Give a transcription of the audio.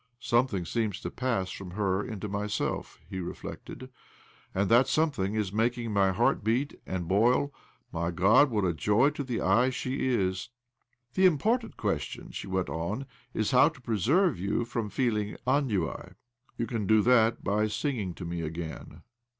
" Something seems to pass from her into m.yself," he reflected. "And that something is making my heart beat and boil. My God, what a joy to the eye she is !"" The important question," she went on, " is how to preserve you from feeling еппиуё." " You can do that by singing to me again."